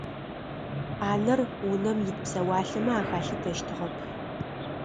Ӏанэр унэм ит псэуалъэмэ ахалъытэщтыгъэп.